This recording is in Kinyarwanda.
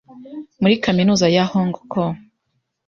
muri kaminuza ya Hong Kong